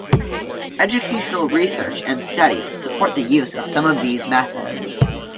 Educational research and studies support the use of some of these methods.